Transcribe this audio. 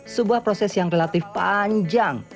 sebuah proses yang relatif panjang